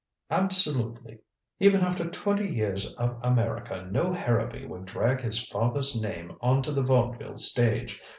"Absolutely. Even after twenty years of America no Harrowby would drag his father's name on to the vaudeville stage.